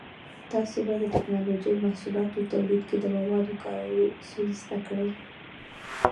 تاسو به د ټېکنالوجۍ محصولاتو تولید کې د موادو کارولو اصول زده کړئ.